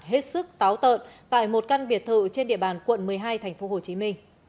hết sức táo tợn tại một căn biệt thự trên địa bàn quận một mươi hai tp hcm